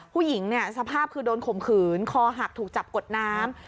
ผู้หญิงเนี่ยสภาพคือโดนข่มขืนคอหักถูกจับกดน้ำ